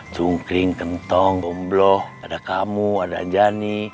cungkring kentong gombloh ada kamu ada anjani